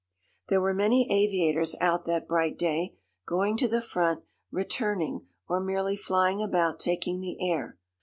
There were many aviators out that bright day, going to the front, returning, or merely flying about taking the air.